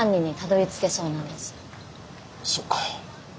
そっか。